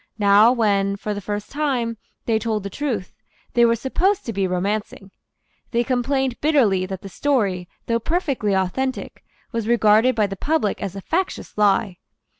Now, when, for the first time, they told the truth, they were supposed to be romancing. They complained bitterly that the story, though perfectly authentic, was regarded by the public as a factious lie.